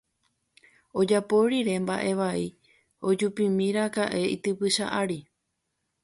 Ojapo rire mba'e vai ojupímiraka'e itypycha ári